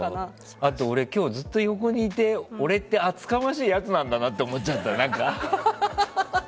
あと、今日ずっと横にいて俺って厚かましいやつなんだなと思っちゃった、何か。